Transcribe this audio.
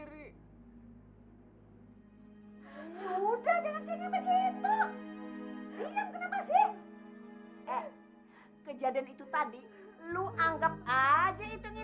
mas lumpan tenang aja ya